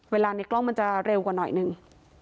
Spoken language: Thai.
เวลาในกล้องมันจะเร็วกว่าน๊อ่งหนึ่ง